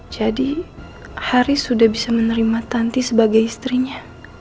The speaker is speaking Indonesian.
jadi haris sudah bisa menerima tanti sebagai istrinya